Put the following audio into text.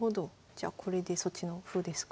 じゃあこれでそっちの歩ですか。